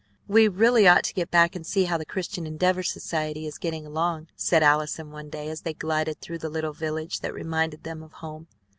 "We really ought to get back and see how the Christian Endeavor Society is getting along," said Allison one day as they glided through a little village that reminded them of home.